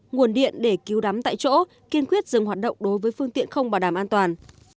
nguồn điện để cứu đắm tại chỗ kiên quyết dừng hoạt động đối với phương tiện không bảo đảm an toàn